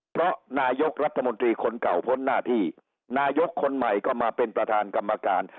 เพราะนายกรัฐมนตรีคนเก่าพ้นหน้าที่นายกคนใหม่ก็มาเป็นประธานกรรมการ